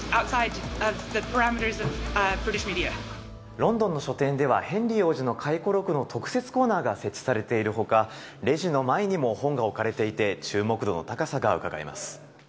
ロンドンの書店では、ヘンリー王子の回顧録の特設コーナーが設置されているほか、レジの前にも本が置かれていて、注目度の高さがうかがえます。